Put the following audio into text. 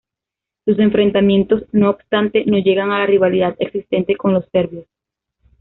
Sus enfrentamientos, no obstante, no llegan a la rivalidad existente con los serbios.